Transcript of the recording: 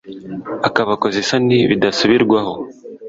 Akabakoza isoni bidasubirwaho !